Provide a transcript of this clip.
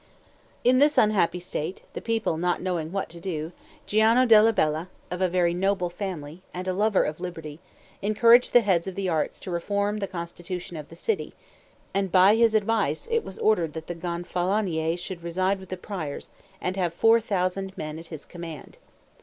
In this unhappy state, the people not knowing what to do, Giano della Bella, of a very noble family, and a lover of liberty, encouraged the heads of the Arts to reform the constitution of the city; and by his advice it was ordered that the Gonfalonier should reside with the Priors, and have four thousand men at his command.